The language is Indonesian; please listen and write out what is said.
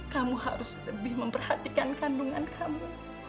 kamu harus lebih memperhatikan kandungan kamu